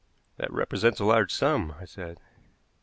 "That represents a large sum," I said.